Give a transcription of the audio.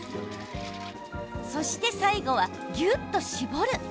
そして最後は、ぎゅっと絞る。